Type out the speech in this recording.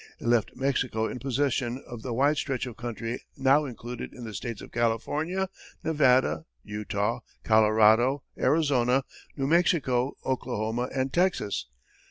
It left Mexico in possession of the wide stretch of country now included in the states of California, Nevada, Utah, Colorado, Arizona, New Mexico, Oklahoma, and Texas.